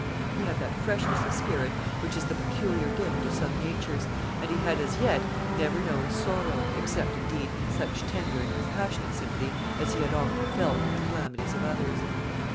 He had that freshness of spirit which is the peculiar gift of some natures; and he had as yet never known sorrow, except, indeed, such tender and compassionate sympathy as he had often felt for the calamities of others.